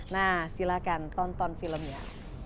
nah silahkan tonton filmnya